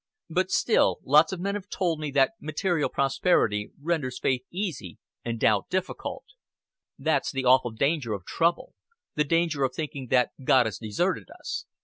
"But still lots of men have told me that material prosperity renders faith easy and doubt difficult. That's the awful danger of trouble the danger of thinking that God has deserted us.